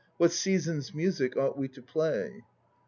What season's music 2 ought we to play?